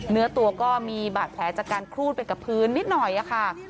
เนื้อตัวก็มีบาดแผลจากการครูดไปกับพื้นนิดหน่อยค่ะ